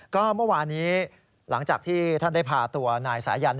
ก็เมื่อวานี้หลังจากที่ท่านได้พาตัวนายสายัน